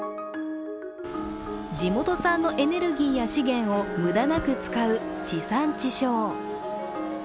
地元産のエネルギーや資源を無駄なく使う地産地消。